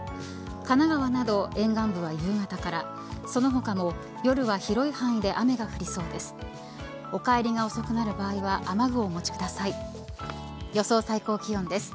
神奈川など沿岸部は夕方からその他も夜は広い範囲で雨が降りそうです。